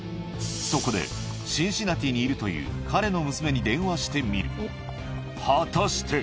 そこでシンシナティにいるという彼の娘に電話してみる。